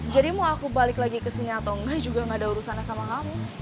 jadi mau aku balik lagi kesini atau enggak juga gak ada urusannya sama kamu